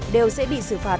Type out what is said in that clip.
đối với xe máy